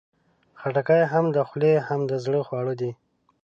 خټکی هم د خولې، هم د زړه خواړه دي.